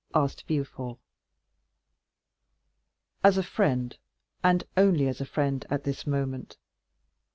asked Villefort. "As a friend, and only as a friend, at this moment.